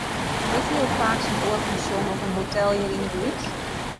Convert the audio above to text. Witte jo faaks in oar pensjon of in hotel hjir yn 'e buert?